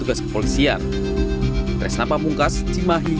jangan lupa like share dan subscribe ya